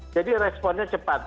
jadi responnya cepat